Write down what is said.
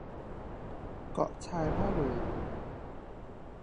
เกาะชายผ้าเหลือง